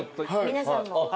皆さんも。